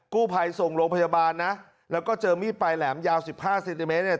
กู้ภัยส่งโรงพยาบาลนะแล้วก็เจอมีดปลายแหลมยาวสิบห้าเซนติเมตรเนี่ย